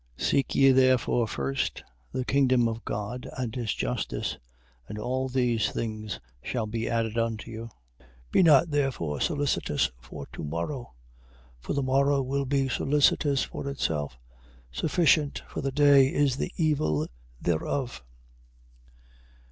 6:33. Seek ye therefore first the kingdom of God, and his justice, and all these things shall be added unto you. 6:34. Be not therefore solicitous for to morrow; for the morrow will be solicitous for itself. Sufficient for the day is the evil thereof.